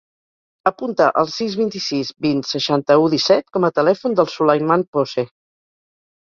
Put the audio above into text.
Apunta el sis, vint-i-sis, vint, seixanta-u, disset com a telèfon del Sulaiman Pose.